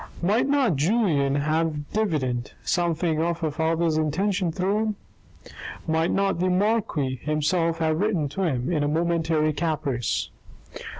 Might not Julien have divined something of her father's intentions through him ? Might not the marquis himself have written to him in a momentary caprice.